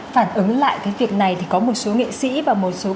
phản ứng lại cái việc này thì có một số nghệ sĩ và một số